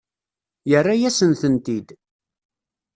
Yerra-yasen-tent-id.